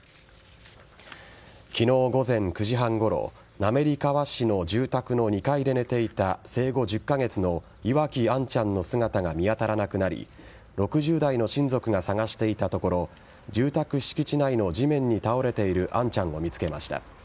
昨日午前９時半ごろ滑川市の住宅の２階で寝ていた生後１０カ月の岩城杏ちゃんの姿が見当たらなくなり６０代の親族が探していたところ住宅敷地内の地面に倒れている杏ちゃんを見つけました。